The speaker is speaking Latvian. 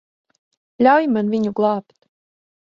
Ļauj man viņu glābt.